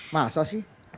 mas apa sih